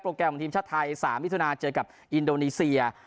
แกรมของทีมชาติไทย๓มิถุนาเจอกับอินโดนีเซีย